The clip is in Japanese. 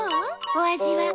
お味は。